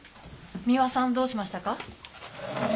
三輪さんどうしましたか？